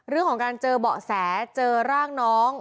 เรื่องของการเจอเบาะแสเจอร่างน้อง